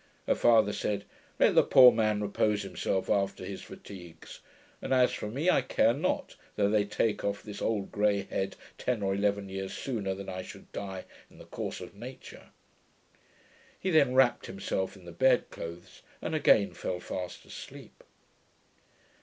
Her father said, 'Let the poor man repose himself after his fatigues; and as for me, I care not, though they take off this old grey head ten or eleven years sooner than I should die in the course of nature.' He then wrapped himself in the bed clothes, and again fell fast asleep.